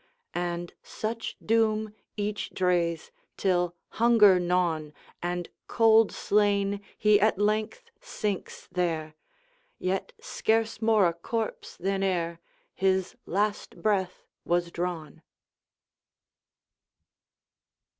And such doom each drees, Till, hunger gnawn, And cold slain, he at length sinks there, Yet scarce more a corpse than ereHis last breath was drawn.